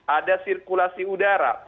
ada sirkulasi udara